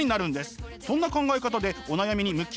そんな考え方でお悩みに向き合うと。